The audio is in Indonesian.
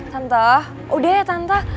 tante udah ya tante